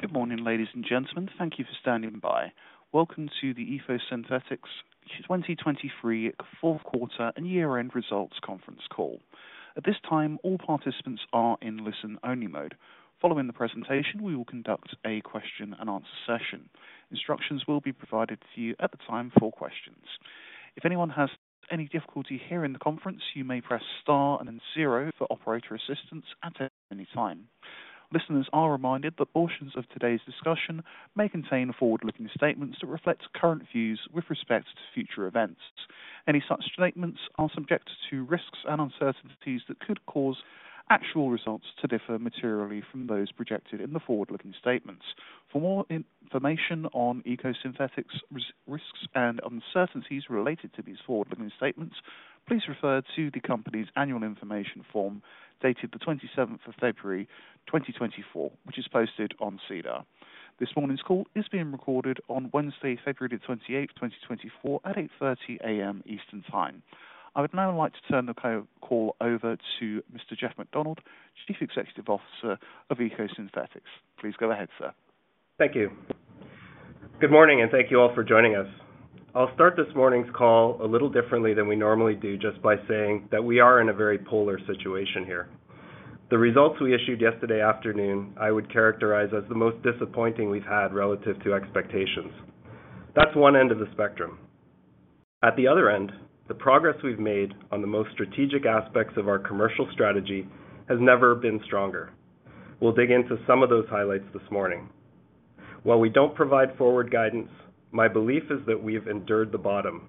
Good morning, ladies and gentlemen. Thank you for standing by. Welcome to the EcoSynthetix 2023 fourth quarter and year-end results conference call. At this time, all participants are in listen-only mode. Following the presentation, we will conduct a question-and-answer session. Instructions will be provided to you at the time for questions. If anyone has any difficulty hearing the conference, you may press star and then 0 for operator assistance at any time. Listeners are reminded that portions of today's discussion may contain forward-looking statements that reflect current views with respect to future events. Any such statements are subject to risks and uncertainties that could cause actual results to differ materially from those projected in the forward-looking statements. For more information on EcoSynthetix risks and uncertainties related to these forward-looking statements, please refer to the company's Annual Information Form dated the 27th of February, 2024, which is posted on SEDAR. This morning's call is being recorded on Wednesday, February the 28th, 2024, at 8:30 A.M. Eastern Time. I would now like to turn the call over to Mr. Jeff MacDonald, Chief Executive Officer of EcoSynthetix. Please go ahead, sir. Thank you. Good morning, and thank you all for joining us. I'll start this morning's call a little differently than we normally do just by saying that we are in a very polar situation here. The results we issued yesterday afternoon I would characterize as the most disappointing we've had relative to expectations. That's one end of the spectrum. At the other end, the progress we've made on the most strategic aspects of our commercial strategy has never been stronger. We'll dig into some of those highlights this morning. While we don't provide forward guidance, my belief is that we've endured the bottom.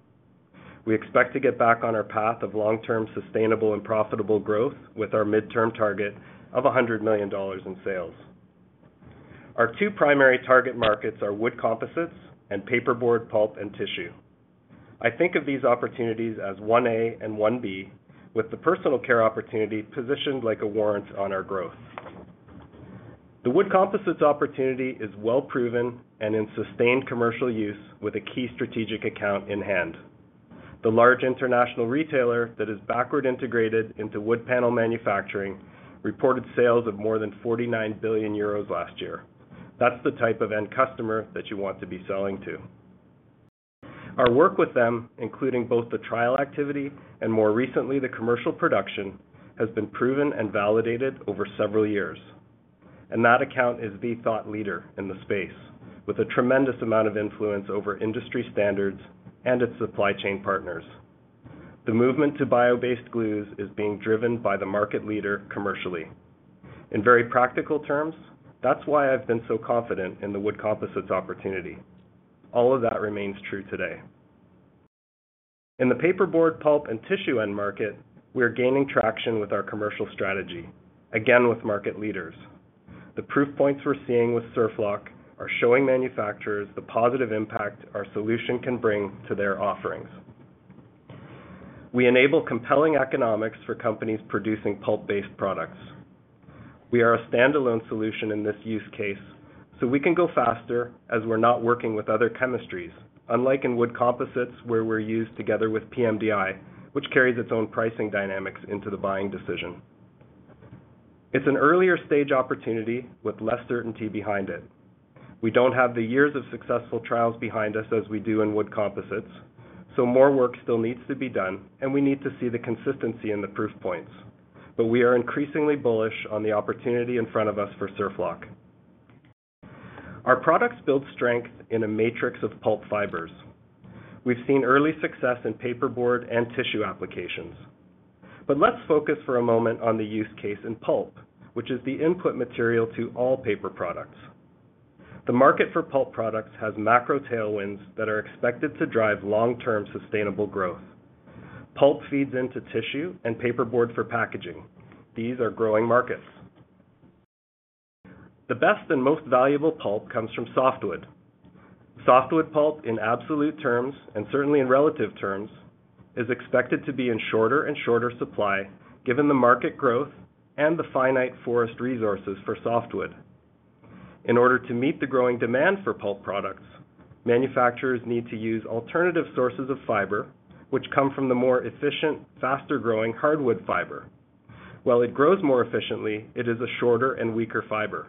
We expect to get back on our path of long-term sustainable and profitable growth with our midterm target of $100,000,000 in sales. Our two primary target markets are wood composites and paperboard, pulp, and tissue. I think of these opportunities as 1A and 1B, with the personal care opportunity positioned like a warrant on our growth. The wood composites opportunity is well-proven and in sustained commercial use with a key strategic account in hand. The large international retailer that is backward-integrated into wood panel manufacturing reported sales of more than 49 billion euros last year. That's the type of end customer that you want to be selling to. Our work with them, including both the trial activity and more recently the commercial production, has been proven and validated over several years. And that account is the thought leader in the space, with a tremendous amount of influence over industry standards and its supply chain partners. The movement to bio-based glues is being driven by the market leader commercially. In very practical terms, that's why I've been so confident in the wood composites opportunity. All of that remains true today. In the paperboard, pulp, and tissue end market, we're gaining traction with our commercial strategy, again with market leaders. The proof points we're seeing with SurfLock are showing manufacturers the positive impact our solution can bring to their offerings. We enable compelling economics for companies producing pulp-based products. We are a standalone solution in this use case, so we can go faster as we're not working with other chemistries, unlike in wood composites where we're used together with PMDI, which carries its own pricing dynamics into the buying decision. It's an earlier stage opportunity with less certainty behind it. We don't have the years of successful trials behind us as we do in wood composites, so more work still needs to be done, and we need to see the consistency in the proof points. But we are increasingly bullish on the opportunity in front of us for SurfLock. Our products build strength in a matrix of pulp fibers. We've seen early success in paperboard and tissue applications. But let's focus for a moment on the use case in pulp, which is the input material to all paper products. The market for pulp products has macro tailwinds that are expected to drive long-term sustainable growth. Pulp feeds into tissue and paperboard for packaging. These are growing markets. The best and most valuable pulp comes from softwood. Softwood pulp, in absolute terms and certainly in relative terms, is expected to be in shorter and shorter supply given the market growth and the finite forest resources for softwood. In order to meet the growing demand for pulp products, manufacturers need to use alternative sources of fiber, which come from the more efficient, faster-growing hardwood fiber. While it grows more efficiently, it is a shorter and weaker fiber.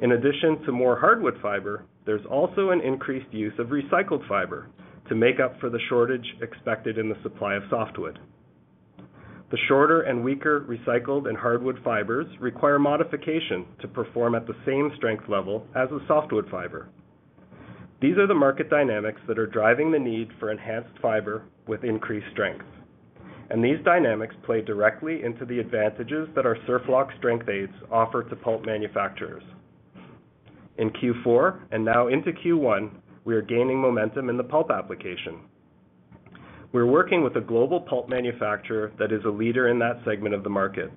In addition to more hardwood fiber, there's also an increased use of recycled fiber to make up for the shortage expected in the supply of softwood. The shorter and weaker recycled and hardwood fibers require modification to perform at the same strength level as the softwood fiber. These are the market dynamics that are driving the need for enhanced fiber with increased strength. These dynamics play directly into the advantages that our SurfLock strength aids offer to pulp manufacturers. In Q4 and now into Q1, we are gaining momentum in the pulp application. We're working with a global pulp manufacturer that is a leader in that segment of the market.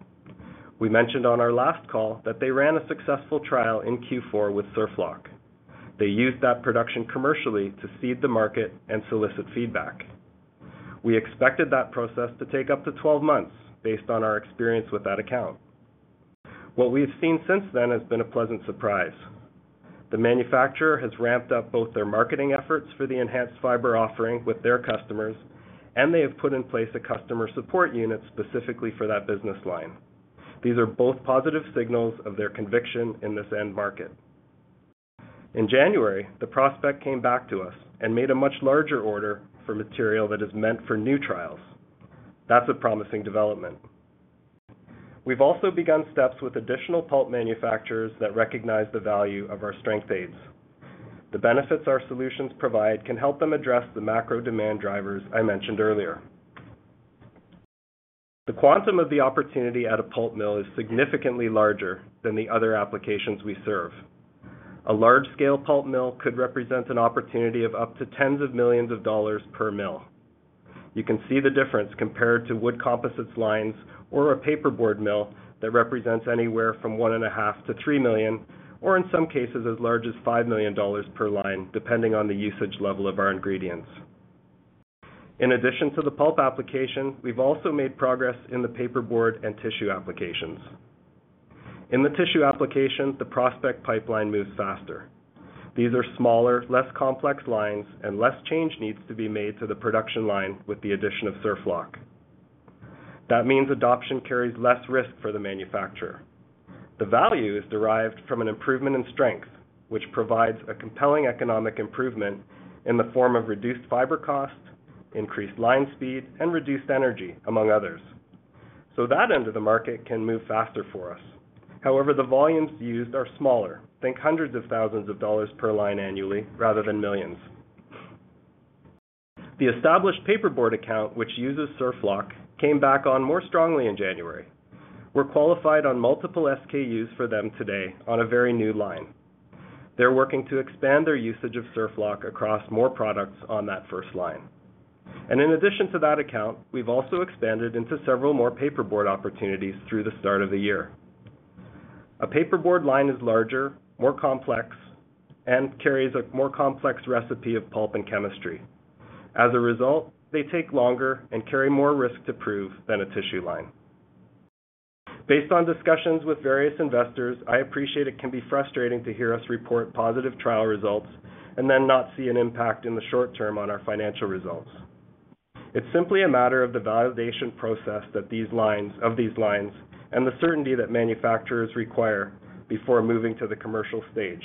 We mentioned on our last call that they ran a successful trial in Q4 with SurfLock. They used that production commercially to seed the market and solicit feedback. We expected that process to take up to 12 months based on our experience with that account. What we've seen since then has been a pleasant surprise. The manufacturer has ramped up both their marketing efforts for the enhanced fiber offering with their customers, and they have put in place a customer support unit specifically for that business line. These are both positive signals of their conviction in this end market. In January, the prospect came back to us and made a much larger order for material that is meant for new trials. That's a promising development. We've also begun steps with additional pulp manufacturers that recognize the value of our strength aids. The benefits our solutions provide can help them address the macro demand drivers I mentioned earlier. The quantum of the opportunity at a pulp mill is significantly larger than the other applications we serve. A large-scale pulp mill could represent an opportunity of up to tens of millions of dollars per mill. You can see the difference compared to wood composites lines or a paperboard mill that represents anywhere from $1,5000,000-$3,000,000, or in some cases as large as $5,000,000 per line depending on the usage level of our ingredients. In addition to the pulp application, we've also made progress in the paperboard and tissue applications. In the tissue application, the prospect pipeline moves faster. These are smaller, less complex lines, and less change needs to be made to the production line with the addition of SurfLock. That means adoption carries less risk for the manufacturer. The value is derived from an improvement in strength, which provides a compelling economic improvement in the form of reduced fiber cost, increased line speed, and reduced energy, among others. So that end of the market can move faster for us. However, the volumes used are smaller. Think hundreds of thousands of dollars per line annually rather than millions. The established paperboard account, which uses SurfLock, came back on more strongly in January. We're qualified on multiple SKUs for them today on a very new line. They're working to expand their usage of SurfLock across more products on that first line. And in addition to that account, we've also expanded into several more paperboard opportunities through the start of the year. A paperboard line is larger, more complex, and carries a more complex recipe of pulp and chemistry. As a result, they take longer and carry more risk to prove than a tissue line. Based on discussions with various investors, I appreciate it can be frustrating to hear us report positive trial results and then not see an impact in the short term on our financial results. It's simply a matter of the validation process of these lines and the certainty that manufacturers require before moving to the commercial stage.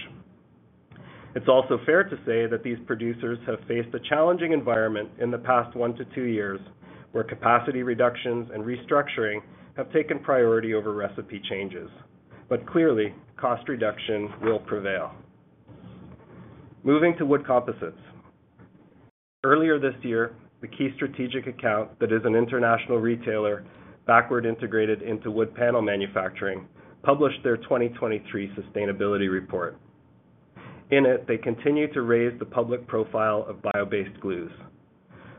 It's also fair to say that these producers have faced a challenging environment in the past 1-2 years where capacity reductions and restructuring have taken priority over recipe changes. But clearly, cost reduction will prevail. Moving to wood composites. Earlier this year, the key strategic account that is an international retailer backward-integrated into wood panel manufacturing published their 2023 sustainability report. In it, they continue to raise the public profile of bio-based glues.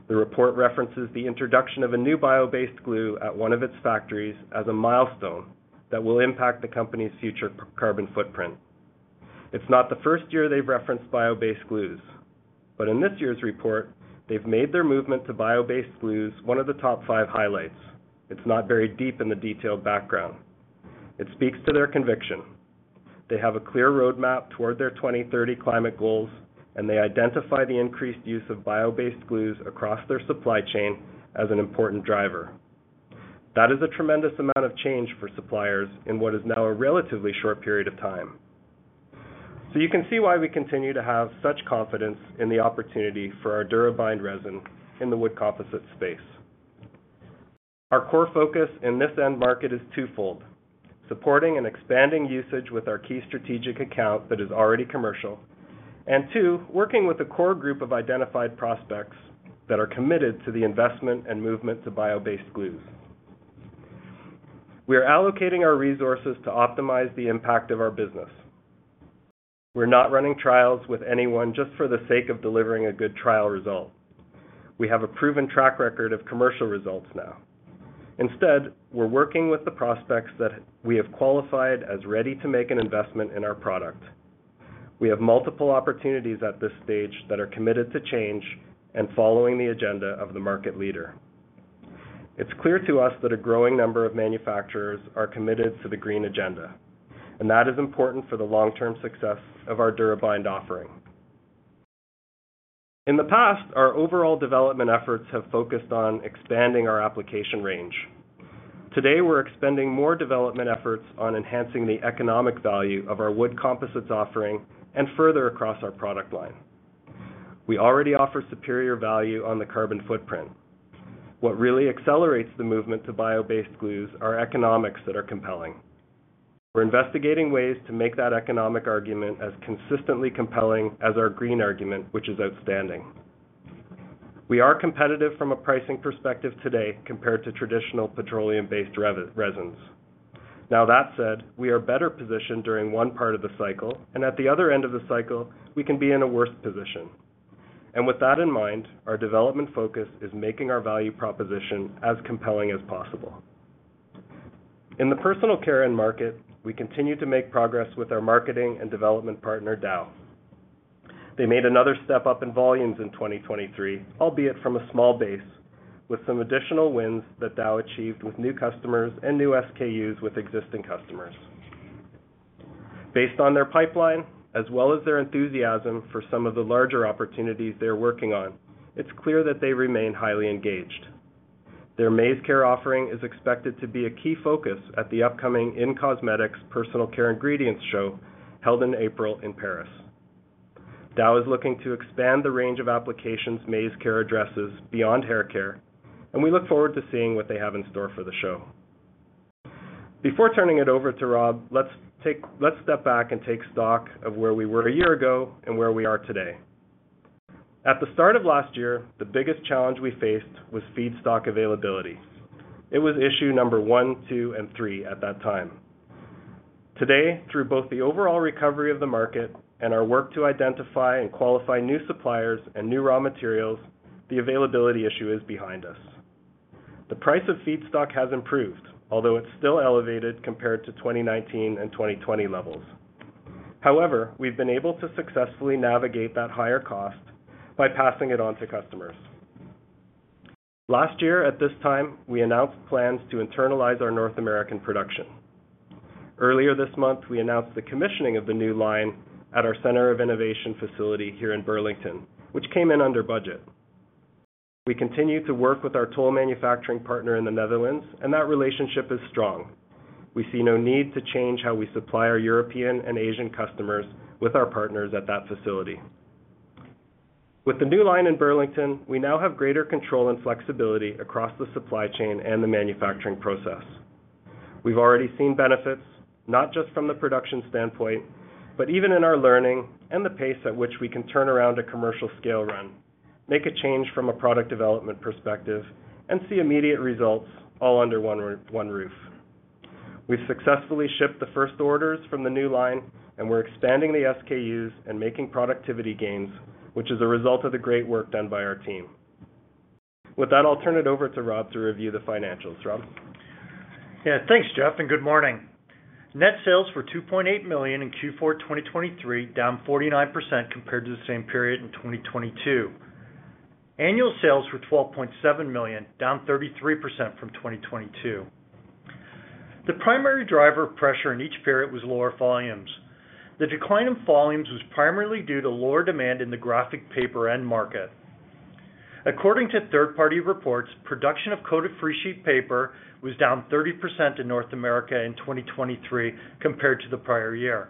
The report references the introduction of a new bio-based glue at one of its factories as a milestone that will impact the company's future carbon footprint. It's not the first year they've referenced bio-based glues. But in this year's report, they've made their movement to bio-based glues one of the top five highlights. It's not buried deep in the detailed background. It speaks to their conviction. They have a clear roadmap toward their 2030 climate goals, and they identify the increased use of bio-based glues across their supply chain as an important driver. That is a tremendous amount of change for suppliers in what is now a relatively short period of time. So you can see why we continue to have such confidence in the opportunity for our DuraBind resin in the wood composite space. Our core focus in this end market is twofold: supporting and expanding usage with our key strategic account that is already commercial, and two, working with a core group of identified prospects that are committed to the investment and movement to bio-based glues. We are allocating our resources to optimize the impact of our business. We're not running trials with anyone just for the sake of delivering a good trial result. We have a proven track record of commercial results now. Instead, we're working with the prospects that we have qualified as ready to make an investment in our product. We have multiple opportunities at this stage that are committed to change and following the agenda of the market leader. It's clear to us that a growing number of manufacturers are committed to the green agenda. That is important for the long-term success of our DuraBind offering. In the past, our overall development efforts have focused on expanding our application range. Today, we're expending more development efforts on enhancing the economic value of our wood composites offering and further across our product line. We already offer superior value on the carbon footprint. What really accelerates the movement to bio-based glues are economics that are compelling. We're investigating ways to make that economic argument as consistently compelling as our green argument, which is outstanding. We are competitive from a pricing perspective today compared to traditional petroleum-based resins. Now that said, we are better positioned during one part of the cycle, and at the other end of the cycle, we can be in a worse position. With that in mind, our development focus is making our value proposition as compelling as possible. In the personal care end market, we continue to make progress with our marketing and development partner, Dow. They made another step up in volumes in 2023, albeit from a small base, with some additional wins that Dow achieved with new customers and new SKUs with existing customers. Based on their pipeline as well as their enthusiasm for some of the larger opportunities they're working on, it's clear that they remain highly engaged. Their MaizeCare offering is expected to be a key focus at the upcoming In-Cosmetics Personal Care Ingredients Show held in April in Paris. Dow is looking to expand the range of applications MaizeCare addresses beyond hair care, and we look forward to seeing what they have in store for the show. Before turning it over to Rob, let's step back and take stock of where we were a year ago and where we are today. At the start of last year, the biggest challenge we faced was feedstock availability. It was issue number one, two, and three at that time. Today, through both the overall recovery of the market and our work to identify and qualify new suppliers and new raw materials, the availability issue is behind us. The price of feedstock has improved, although it's still elevated compared to 2019 and 2020 levels. However, we've been able to successfully navigate that higher cost by passing it on to customers. Last year, at this time, we announced plans to internalize our North American production. Earlier this month, we announced the commissioning of the new line at our Centre of Innovation facility here in Burlington, which came in under budget. We continue to work with our toll manufacturing partner in the Netherlands, and that relationship is strong. We see no need to change how we supply our European and Asian customers with our partners at that facility. With the new line in Burlington, we now have greater control and flexibility across the supply chain and the manufacturing process. We've already seen benefits, not just from the production standpoint, but even in our learning and the pace at which we can turn around a commercial scale run, make a change from a product development perspective, and see immediate results all under one roof. We've successfully shipped the first orders from the new line, and we're expanding the SKUs and making productivity gains, which is a result of the great work done by our team. With that, I'll turn it over to Rob to review the financials. Rob? Yeah. Thanks, Jeff, and good morning. Net sales were $2,800,000 in Q4 2023, down 49% compared to the same period in 2022. Annual sales were $12,700,000, down 33% from 2022. The primary driver of pressure in each period was lower volumes. The decline in volumes was primarily due to lower demand in the graphic paper end market. According to third-party reports, production of coated freesheet paper was down 30% in North America in 2023 compared to the prior year.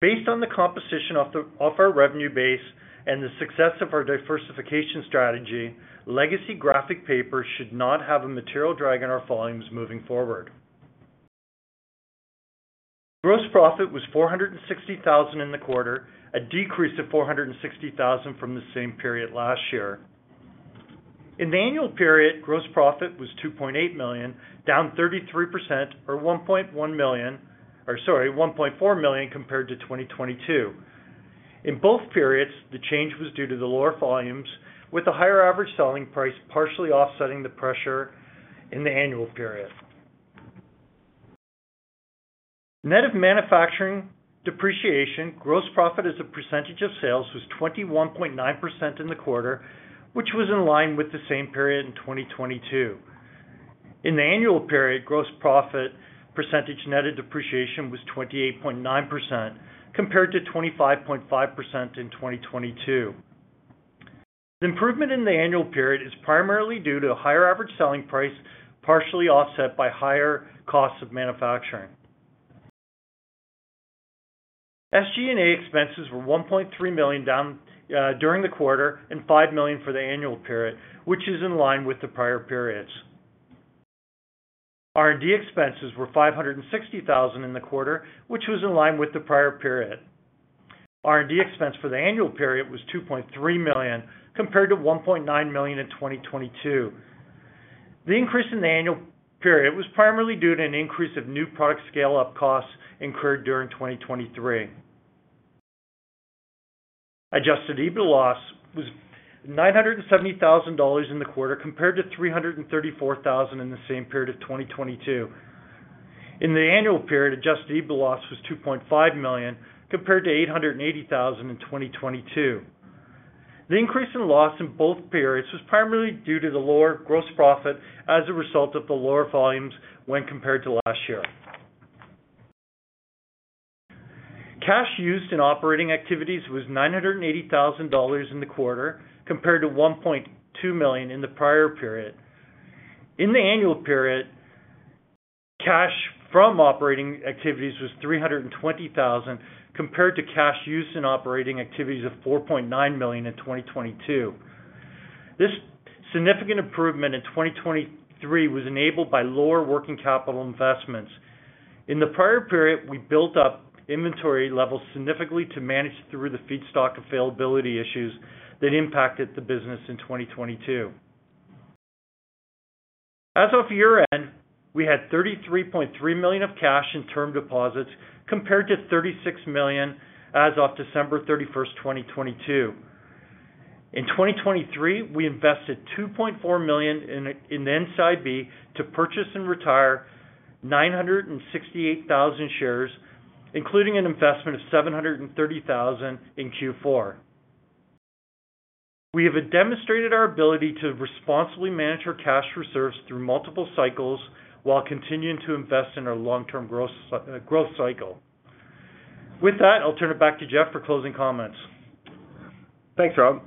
Based on the composition of our revenue base and the success of our diversification strategy, legacy graphic paper should not have a material drag on our volumes moving forward. Gross profit was $460,000 in the quarter, a decrease of $460,000 from the same period last year. In the annual period, gross profit was $2,800,000, down 33% or $1,100,000 or, sorry, $1,400,000 compared to 2022. In both periods, the change was due to the lower volumes with a higher average selling price partially offsetting the pressure in the annual period. Net of manufacturing depreciation, gross profit as a percentage of sales was 21.9% in the quarter, which was in line with the same period in 2022. In the annual period, gross profit percentage netted depreciation was 28.9% compared to 25.5% in 2022. The improvement in the annual period is primarily due to a higher average selling price partially offset by higher costs of manufacturing. SG&A expenses were $1,300,000,000 during the quarter and $5,000,000 for the annual period, which is in line with the prior periods. R&D expenses were $560,000 in the quarter, which was in line with the prior period. R&D expense for the annual period was $2,300,000 compared to $1,900,000 in 2022. The increase in the annual period was primarily due to an increase of new product scale-up costs incurred during 2023. Adjusted EBITDA loss was $970,000 in the quarter compared to $334,000 in the same period of 2022. In the annual period, adjusted EBITDA loss was $2,500,000 compared to $880,000 in 2022. The increase in loss in both periods was primarily due to the lower gross profit as a result of the lower volumes when compared to last year. Cash used in operating activities was $980,000 in the quarter compared to $1,200,000 in the prior period. In the annual period, cash from operating activities was $320,000 compared to cash used in operating activities of $4,900,000 in 2022. This significant improvement in 2023 was enabled by lower working capital investments. In the prior period, we built up inventory levels significantly to manage through the feedstock availability issues that impacted the business in 2022. As of year-end, we had $33,300,000 of cash in term deposits compared to $36,000,000 as of December 31st, 2022. In 2023, we invested $2,400,000 in the NCIB to purchase and retire 968,000 shares, including an investment of $730,000 in Q4. We have demonstrated our ability to responsibly manage our cash reserves through multiple cycles while continuing to invest in our long-term growth cycle. With that, I'll turn it back to Jeff for closing comments. Thanks, Rob.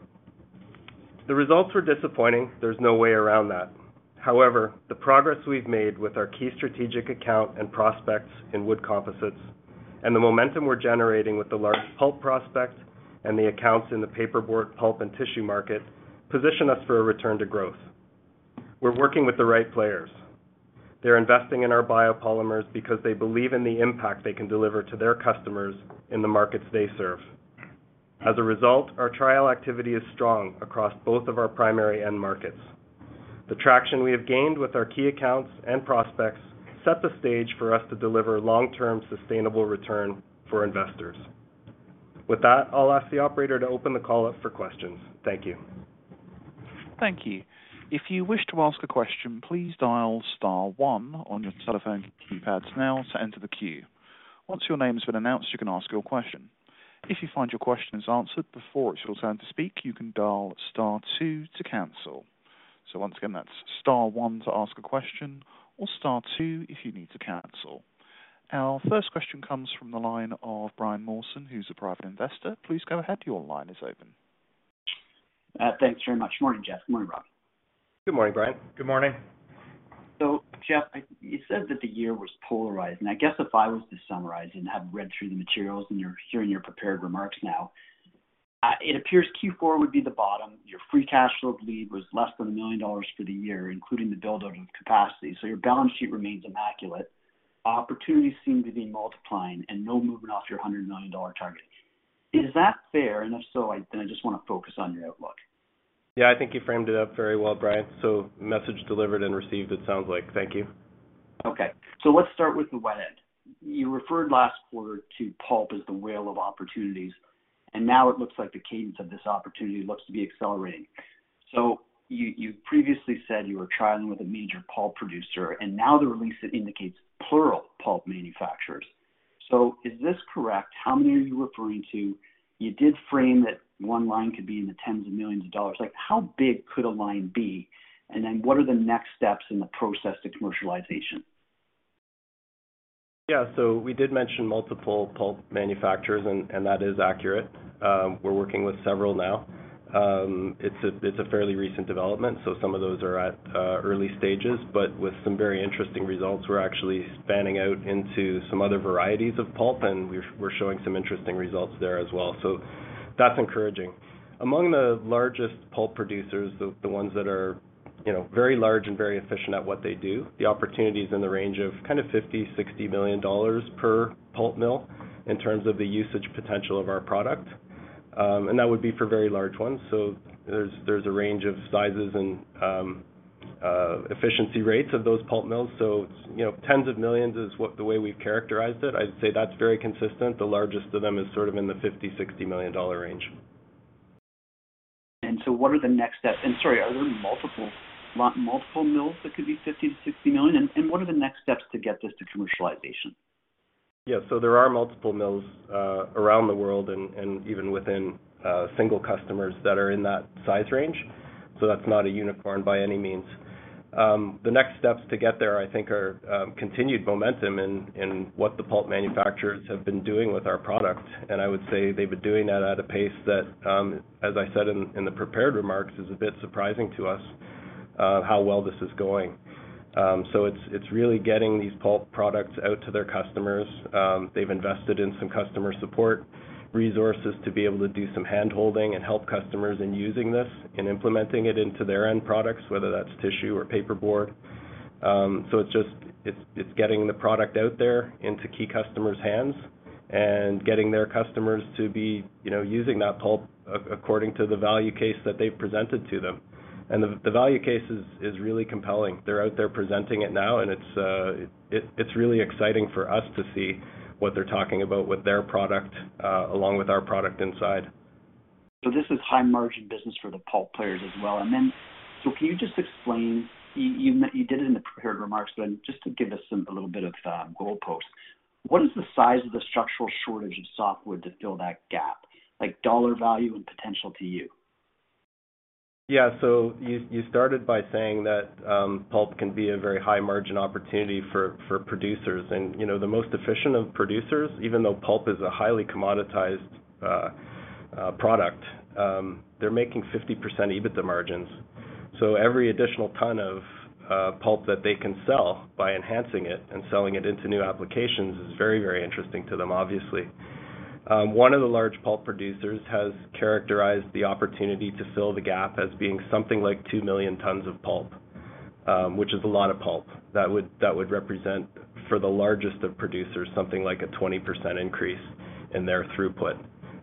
The results were disappointing. There's no way around that. However, the progress we've made with our key strategic account and prospects in wood composites and the momentum we're generating with the large pulp prospect and the accounts in the paperboard, pulp, and tissue market position us for a return to growth. We're working with the right players. They're investing in our biopolymers because they believe in the impact they can deliver to their customers in the markets they serve. As a result, our trial activity is strong across both of our primary end markets. The traction we have gained with our key accounts and prospects set the stage for us to deliver long-term sustainable return for investors. With that, I'll ask the operator to open the call up for questions. Thank you. Thank you. If you wish to ask a question, please dial star one on your telephone keypads now to enter the queue. Once your name's been announced, you can ask your question. If you find your question is answered before it's your turn to speak, you can dial star two to cancel. So once again, that's star one to ask a question or star two if you need to cancel. Our first question comes from the line of Brian Morris, who's a private investor. Please go ahead. Your line is open. Thanks very much. Morning, Jeff. Good morning, Rob. Good morning, Brian. Good morning. So, Jeff, you said that the year was polarizing. I guess if I was to summarize and have read through the materials and you're hearing your prepared remarks now, it appears Q4 would be the bottom. Your free cash flow bleed was less than $1,000,000 for the year, including the build-out of capacity. So your balance sheet remains immaculate. Opportunities seem to be multiplying, and no movement off your $100,000,000 target. Is that fair? If so, then I just want to focus on your outlook. Yeah. I think you framed it up very well, Brian. So message delivered and received, it sounds like. Thank you. Okay. So let's start with the wet end. You referred last quarter to pulp as the whale of opportunities, and now it looks like the cadence of this opportunity looks to be accelerating. So you previously said you were trialing with a major pulp producer, and now the release indicates plural pulp manufacturers. So is this correct? How many are you referring to? You did frame that one line could be in the tens of millions of dollars. How big could a line be? And then what are the next steps in the process to commercialization? Yeah. So we did mention multiple pulp manufacturers, and that is accurate. We're working with several now. It's a fairly recent development, so some of those are at early stages. But with some very interesting results, we're actually spanning out into some other varieties of pulp, and we're showing some interesting results there as well. So that's encouraging. Among the largest pulp producers, the ones that are very large and very efficient at what they do, the opportunity is in the range of kind of $50,000,000-$60,000,000 per pulp mill in terms of the usage potential of our product. And that would be for very large ones. So there's a range of sizes and efficiency rates of those pulp mills. So tens of millions is the way we've characterized it. I'd say that's very consistent. The largest of them is sort of in the $50,000,000-$60,000,000 range. And so what are the next steps? And sorry, are there multiple mills that could be 50,000,000-60,000,000? And what are the next steps to get this to commercialization? Yeah. So there are multiple mills around the world and even within single customers that are in that size range. So that's not a unicorn by any means. The next steps to get there, I think, are continued momentum in what the pulp manufacturers have been doing with our product. And I would say they've been doing that at a pace that, as I said in the prepared remarks, is a bit surprising to us how well this is going. So it's really getting these pulp products out to their customers. They've invested in some customer support resources to be able to do some handholding and help customers in using this and implementing it into their end products, whether that's tissue or paperboard. So it's getting the product out there into key customers' hands and getting their customers to be using that pulp according to the value case that they've presented to them. And the value case is really compelling. They're out there presenting it now, and it's really exciting for us to see what they're talking about with their product along with our product inside. So this is high-margin business for the pulp players as well. And then so can you just explain you did it in the prepared remarks, but just to give us a little bit of goalposts. What is the size of the structural shortage of softwood to fill that gap, like dollar value and potential to you? Yeah. So you started by saying that pulp can be a very high-margin opportunity for producers. The most efficient of producers, even though pulp is a highly commoditized product, they're making 50% EBITDA margins. Every additional ton of pulp that they can sell by enhancing it and selling it into new applications is very, very interesting to them, obviously. One of the large pulp producers has characterized the opportunity to fill the gap as being something like 2,000,000 tons of pulp, which is a lot of pulp. That would represent, for the largest of producers, something like a 20% increase in their throughput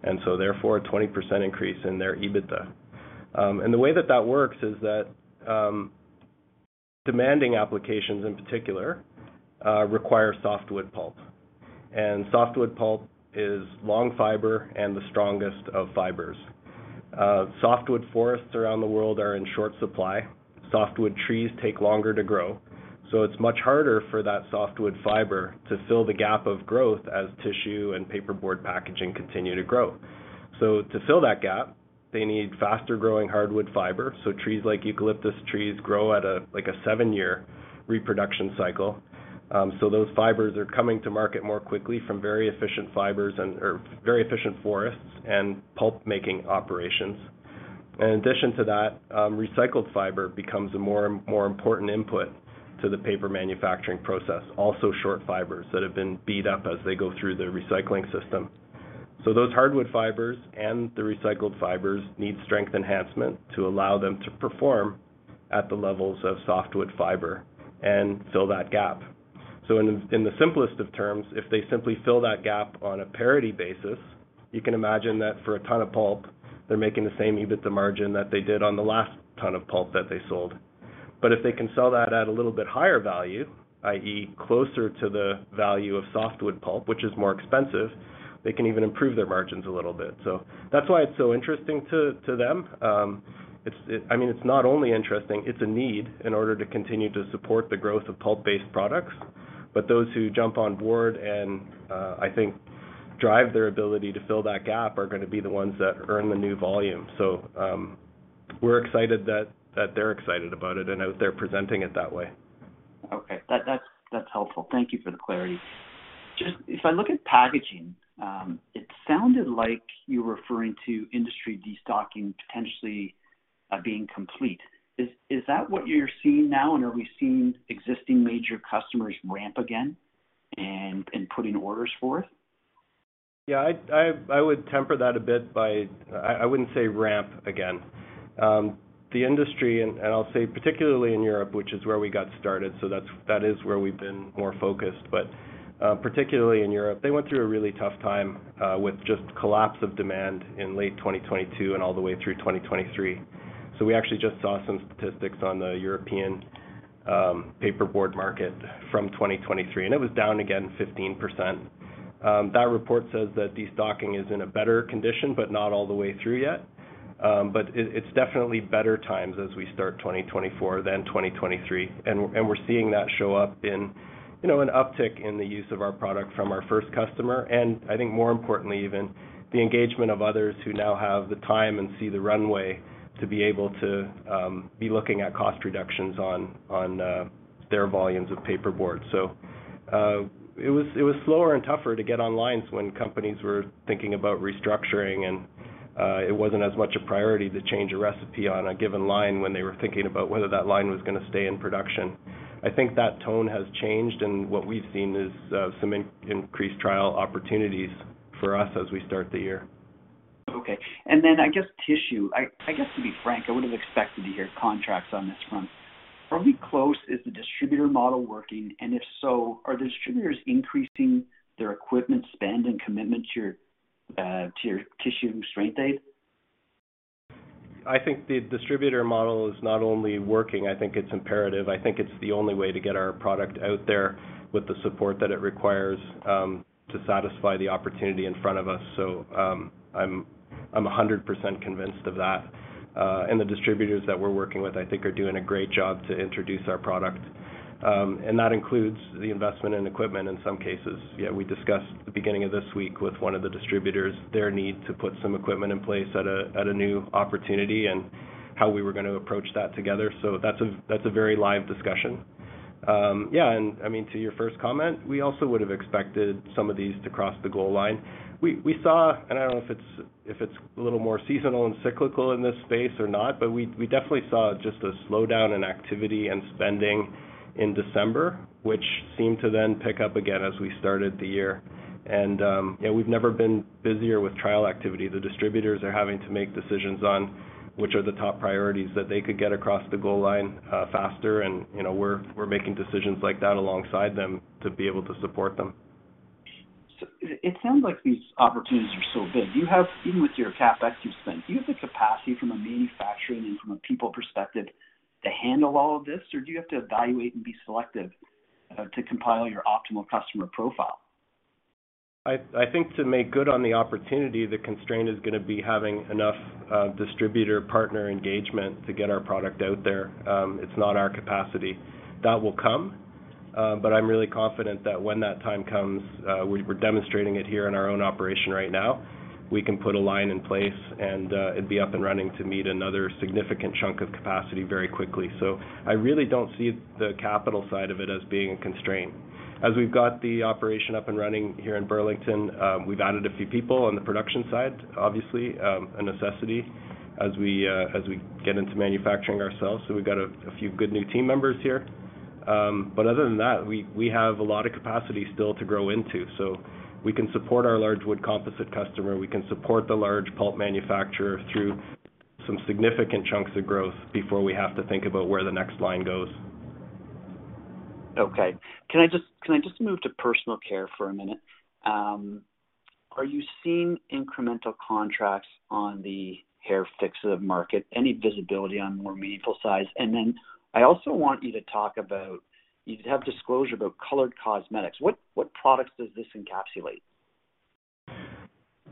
and so, therefore, a 20% increase in their EBITDA. The way that that works is that demanding applications, in particular, require softwood pulp. Softwood pulp is long fiber and the strongest of fibers. Softwood forests around the world are in short supply. Softwood trees take longer to grow. It's much harder for that softwood fiber to fill the gap of growth as tissue and paperboard packaging continue to grow. To fill that gap, they need faster-growing hardwood fiber. Trees like eucalyptus trees grow at a seven-year reproduction cycle. Those fibers are coming to market more quickly from very efficient fibers or very efficient forests and pulp-making operations. In addition to that, recycled fiber becomes a more and more important input to the paper manufacturing process, also short fibers that have been beat up as they go through the recycling system. So those hardwood fibers and the recycled fibers need strength enhancement to allow them to perform at the levels of softwood fiber and fill that gap. So in the simplest of terms, if they simply fill that gap on a parity basis, you can imagine that for a ton of pulp, they're making the same EBITDA margin that they did on the last ton of pulp that they sold. But if they can sell that at a little bit higher value, i.e., closer to the value of softwood pulp, which is more expensive, they can even improve their margins a little bit. So that's why it's so interesting to them. I mean, it's not only interesting. It's a need in order to continue to support the growth of pulp-based products. But those who jump on board and, I think, drive their ability to fill that gap are going to be the ones that earn the new volume. So we're excited that they're excited about it and out there presenting it that way. Okay. That's helpful. Thank you for the clarity. Just if I look at packaging, it sounded like you were referring to industry destocking potentially being complete. Is that what you're seeing now, and are we seeing existing major customers ramp again and putting orders forth? Yeah. I would temper that a bit by, I wouldn't say ramp again. The industry and I'll say particularly in Europe, which is where we got started, so that is where we've been more focused. But particularly in Europe, they went through a really tough time with just collapse of demand in late 2022 and all the way through 2023. So we actually just saw some statistics on the European paperboard market from 2023, and it was down again 15%. That report says that destocking is in a better condition but not all the way through yet. But it's definitely better times as we start 2024 than 2023. And we're seeing that show up in an uptick in the use of our product from our first customer and, I think more importantly even, the engagement of others who now have the time and see the runway to be able to be looking at cost reductions on their volumes of paperboard. So it was slower and tougher to get on lines when companies were thinking about restructuring, and it wasn't as much a priority to change a recipe on a given line when they were thinking about whether that line was going to stay in production. I think that tone has changed, and what we've seen is some increased trial opportunities for us as we start the year. Okay. And then I guess tissue. I guess, to be frank, I would have expected to hear contracts on this front. Are we close? Is the distributor model working? And if so, are the distributors increasing their equipment spend and commitment to your tissue strength aid? I think the distributor model is not only working. I think it's imperative. I think it's the only way to get our product out there with the support that it requires to satisfy the opportunity in front of us. So I'm 100% convinced of that. And the distributors that we're working with, I think, are doing a great job to introduce our product. And that includes the investment in equipment in some cases. Yeah. We discussed the beginning of this week with one of the distributors their need to put some equipment in place at a new opportunity and how we were going to approach that together. So that's a very live discussion. Yeah. And I mean, to your first comment, we also would have expected some of these to cross the goal line. We saw, and I don't know if it's a little more seasonal and cyclical in this space or not, but we definitely saw just a slowdown in activity and spending in December, which seemed to then pick up again as we started the year. And yeah, we've never been busier with trial activity. The distributors are having to make decisions on which are the top priorities that they could get across the goal line faster. And we're making decisions like that alongside them to be able to support them. It sounds like these opportunities are so big. Even with your CapEx you've spent, do you have the capacity from a manufacturing and from a people perspective to handle all of this, or do you have to evaluate and be selective to compile your optimal customer profile? I think to make good on the opportunity, the constraint is going to be having enough distributor-partner engagement to get our product out there. It's not our capacity. That will come. But I'm really confident that when that time comes - we're demonstrating it here in our own operation right now - we can put a line in place, and it'd be up and running to meet another significant chunk of capacity very quickly. I really don't see the capital side of it as being a constraint. As we've got the operation up and running here in Burlington, we've added a few people on the production side, obviously, a necessity as we get into manufacturing ourselves. So we've got a few good new team members here. But other than that, we have a lot of capacity still to grow into. So we can support our large wood composite customer. We can support the large pulp manufacturer through some significant chunks of growth before we have to think about where the next line goes. Okay. Can I just move to personal care for a minute? Are you seeing incremental contracts on the hair fixative market, any visibility on more meaningful size? And then I also want you to talk about you did have disclosure about colored cosmetics. What products does this encapsulate?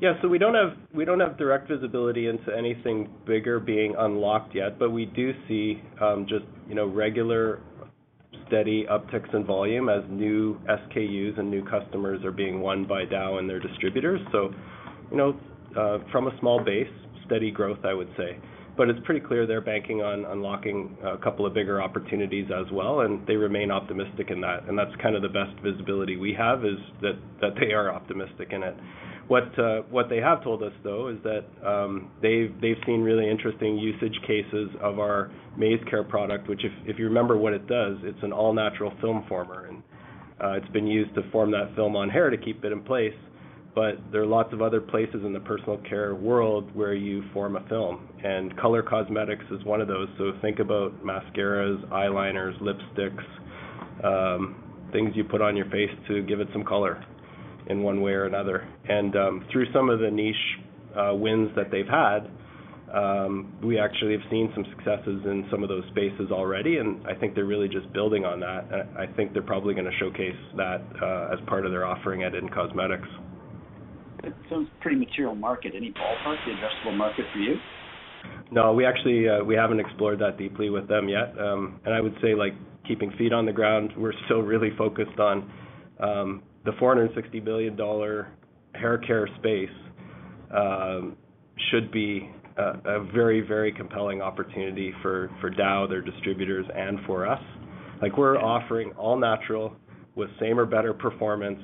Yeah. So we don't have direct visibility into anything bigger being unlocked yet, but we do see just regular, steady upticks in volume as new SKUs and new customers are being won by Dow and their distributors. So from a small base, steady growth, I would say. But it's pretty clear they're banking on unlocking a couple of bigger opportunities as well, and they remain optimistic in that. And that's kind of the best visibility we have, is that they are optimistic in it. What they have told us, though, is that they've seen really interesting usage cases of our MaizeCare product, which if you remember what it does, it's an all-natural film former. And it's been used to form that film on hair to keep it in place. But there are lots of other places in the personal care world where you form a film. Color cosmetics is one of those. So think about mascaras, eyeliners, lipsticks, things you put on your face to give it some color in one way or another. And through some of the niche wins that they've had, we actually have seen some successes in some of those spaces already. And I think they're really just building on that. And I think they're probably going to showcase that as part of their offering at In-Cosmetics. That sounds pretty material market. Any ballpark, the addressable market for you? No. We haven't explored that deeply with them yet. And I would say keeping feet on the ground, we're still really focused on the $460,000,000,000 hair care space should be a very, very compelling opportunity for Dow, their distributors, and for us. We're offering all-natural with same or better performance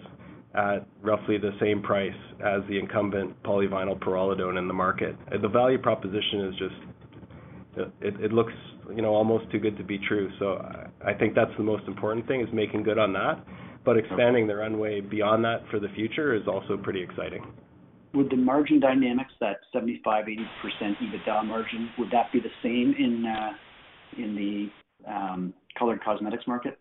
at roughly the same price as the incumbent polyvinylpyrrolidone in the market. The value proposition is just it looks almost too good to be true. So I think that's the most important thing, is making good on that. But expanding the runway beyond that for the future is also pretty exciting. Would the margin dynamics, that 75%-80% EBITDA margin, would that be the same in the colored cosmetics market?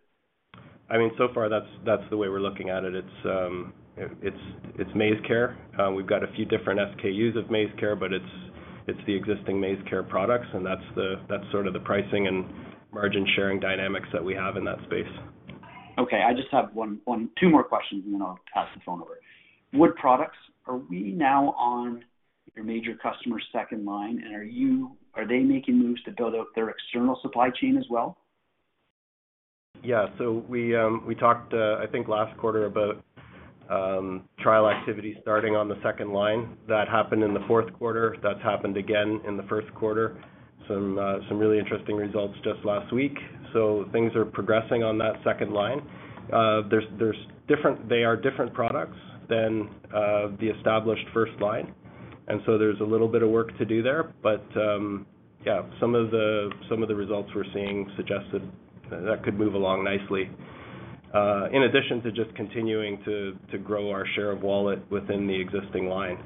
I mean, so far, that's the way we're looking at it. It's MaizeCare. We've got a few different SKUs of MaizeCare, but it's the existing MaizeCare products, and that's sort of the pricing and margin-sharing dynamics that we have in that space. Okay. I just have two more questions, and then I'll pass the phone over. Are we now on your major customer's second line, and are they making moves to build up their external supply chain as well? Yeah. So we talked, I think, last quarter about trial activity starting on the second line. That happened in the fourth quarter. That's happened again in the first quarter. Some really interesting results just last week. So things are progressing on that second line. They are different products than the established first line. And so there's a little bit of work to do there. But yeah, some of the results we're seeing suggest that could move along nicely in addition to just continuing to grow our share of wallet within the existing line.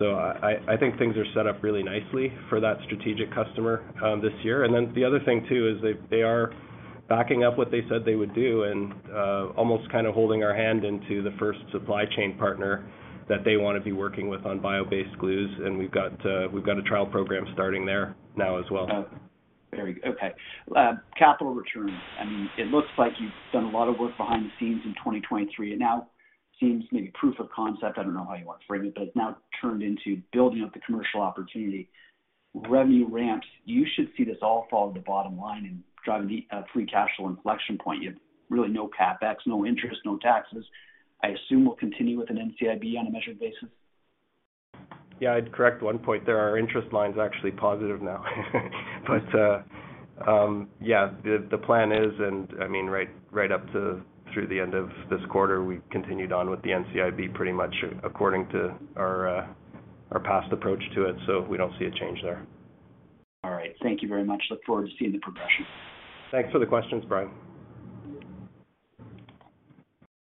So I think things are set up really nicely for that strategic customer this year. And then the other thing, too, is they are backing up what they said they would do and almost kind of holding our hand into the first supply chain partner that they want to be working with on bio-based glues. And we've got a trial program starting there now as well. Very good. Okay. Capital return. I mean, it looks like you've done a lot of work behind the scenes in 2023. It now seems maybe proof of concept. I don't know how you want to frame it, but it's now turned into building up the commercial opportunity. Revenue ramps. You should see this all fall to the bottom line and drive a free cash flow inflection point. You have really no CapEx, no interest, no taxes. I assume we'll continue with an NCIB on a measured basis? Yeah. I'd correct one point there. Our interest line's actually positive now. But yeah, the plan is and I mean, right up through the end of this quarter, we continued on with the NCIB pretty much according to our past approach to it. So we don't see a change there. All right. Thank you very much. Look forward to seeing the progression. Thanks for the questions, Brian.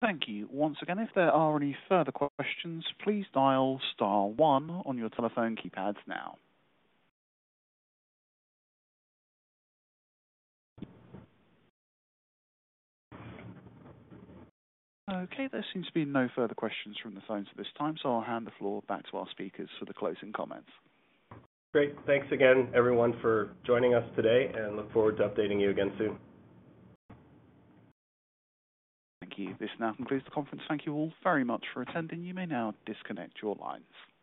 Thank you. Once again, if there are any further questions, please dial star one on your telephone keypads now. Okay. There seems to be no further questions from the phones at this time, so I'll hand the floor back to our speakers for the closing comments. Great. Thanks again, everyone, for joining us today, and look forward to updating you again soon. Thank you. This now concludes the conference. Thank you all very much for attending. You may now disconnect your lines.